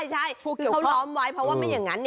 ใช่เขาล้อมไว้เพราะว่าไม่อย่างนั้น